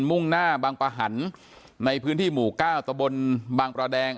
มุ่งหน้าบางประหันในพื้นที่หมู่เก้าตะบนบางประแดง